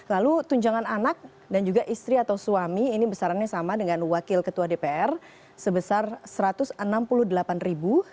lalu tunjangan anak dan juga istri atau suami ini besarannya sama dengan wakil ketua dpr sebesar rp satu ratus enam puluh delapan ribu